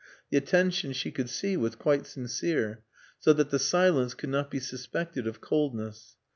The attention she could see was quite sincere, so that the silence could not be suspected of coldness.